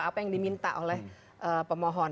apa yang diminta oleh pemohon